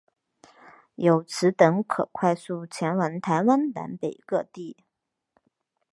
由此等可快速前往台湾南北各地。